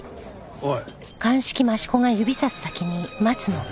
おい。